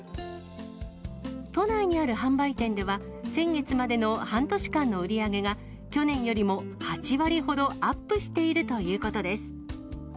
都内にある販売店では、先月までの半年間の売り上げが、去年よりも８割ほどアップしているということです。